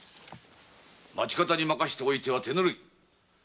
町方に任せておいては手ぬるい。